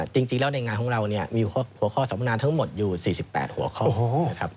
จริงแล้วในงานของเรามีหัวข้อสำนาญทั้งหมดอยู่๔๘หัวข้อ